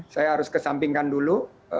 saya harus kesampingkan dulu